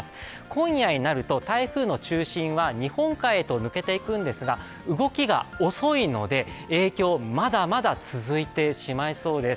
今夜になると台風の中心は日本海へと抜けていくんですが、動きが遅いので、影響まだまだ続いてしまいそうです。